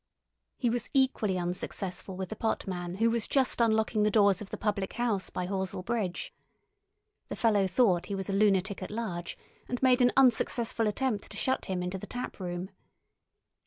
He was equally unsuccessful with the potman who was just unlocking the doors of the public house by Horsell Bridge. The fellow thought he was a lunatic at large and made an unsuccessful attempt to shut him into the taproom.